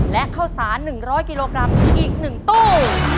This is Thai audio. และข้าวสาร๑๐๐กิโลกรัมอีก๑ตู้